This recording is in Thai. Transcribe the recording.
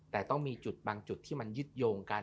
แต่ต้องมีจุดบางจุดที่มันยึดโยงกัน